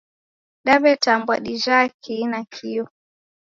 Daw'etambwa, dijha kihi nakio?